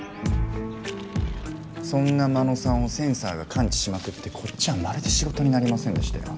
そんな真野さんをセンサーが感知しまくってこっちはまるで仕事になりませんでしたよ。